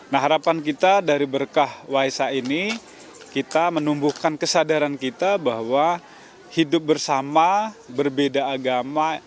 nah harapan kita dari berkah waisak ini kita menumbuhkan kesadaran kita bahwa hidup bersama berbeda agama